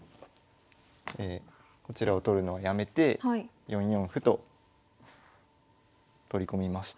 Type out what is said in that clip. こちらを取るのをやめて４四歩と取り込みました。